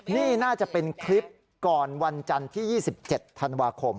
นี่น่าจะเป็นคลิปก่อนวันจันทร์ที่๒๗ธันวาคม